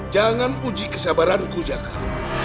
jangan uji kesabaran ku jakar